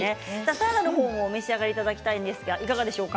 サラダの方もお召し上がりいただきたいんですがいかがでしょうか。